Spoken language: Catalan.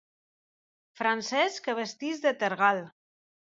Francès que vesteix de tergal.